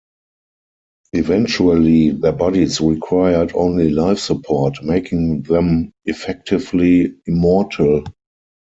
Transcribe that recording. Eventually, their bodies required only life support, making them effectively immortal.